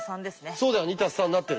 そうだよ「２＋３」になってるね。